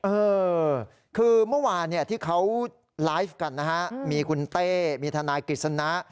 เออคือเมื่อวานที่เขาไลฟ์กันนะฮะมีคุณเต้มีทนายกฤษณะ